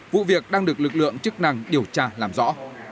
vụ việc đang được lực lượng chức năng điều tra làm rõ